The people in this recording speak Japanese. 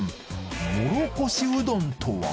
もろこしうどんとは？